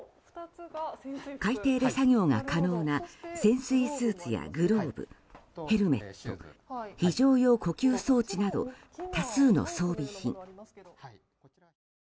海底で作業が可能な潜水スーツやグローブヘルメット、非常用呼吸装置など多数の装備品。